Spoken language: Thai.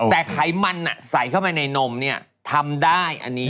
แต่ไขมันใส่เข้าไปในนมเนี่ยทำได้อันนี้